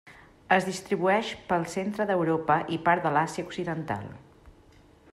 Es distribueix pel centre d'Europa i part de l'Àsia occidental.